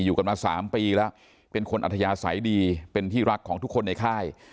อยู่กันมา๓ปีแล้วเป็นคนอัธยาศัยดีเป็นที่รักของทุกคนในค่าย